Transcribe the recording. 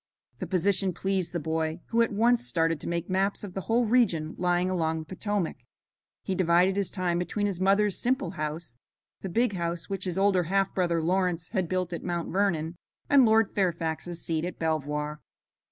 The position pleased the boy, who at once started to make maps of the whole region lying along the Potomac. He divided his time between his mother's simple house, the big house which his older half brother, Lawrence, had built at Mount Vernon, and Lord Fairfax's seat at Belvoir.